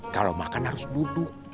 kalau makan harus duduk